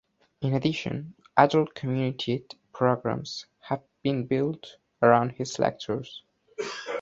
In addition, adult community-ed programs have been built around his lectures.